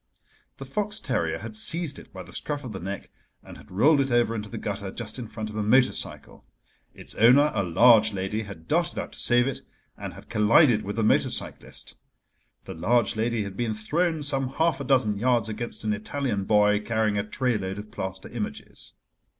The fox terrier had seized it by the scruff of the neck and had rolled it over into the gutter just in front of a motor cycle. Its owner, a large lady, had darted out to save it, and had collided with the motor cyclist. The large lady had been thrown some half a dozen yards against an Italian boy carrying a tray load of plaster images.